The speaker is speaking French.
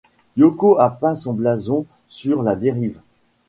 Yoko a peint son blason sur la dérive.